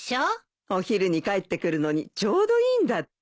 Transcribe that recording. お昼に帰ってくるのにちょうどいいんだって。